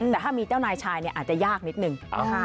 แต่ถ้ามีเจ้านายชายอาจจะยากนิดนึง